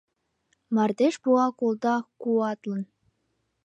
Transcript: Мардеж пуал колта куатлын.